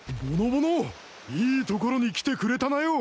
いいところに来てくれたなよ。